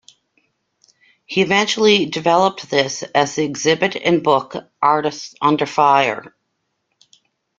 He eventually developed this as the exhibit and book "Artists Under Fire".